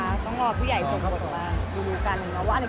อันดังด้วยนะครับ